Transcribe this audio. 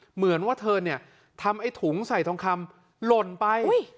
เหมือนว่าเธอเนี่ยทำไอ้ถุงใส่ทองคำหล่นไป